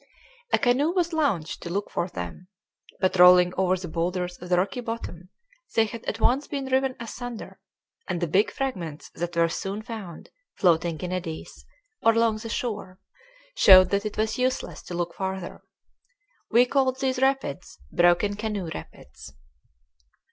A canoe was launched to look for them; but, rolling over the boulders on the rocky bottom, they had at once been riven asunder, and the big fragments that were soon found, floating in eddies, or along the shore, showed that it was useless to look farther. We called these rapids Broken Canoe Rapids.